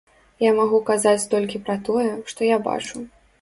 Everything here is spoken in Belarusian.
Я магу казаць толькі пра тое, што я бачу.